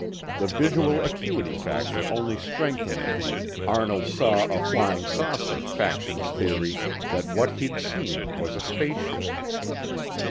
The visual acuity factor only strengthened the "Arnold saw a flying saucer" faction's theory that what he'd seen was a spaceship.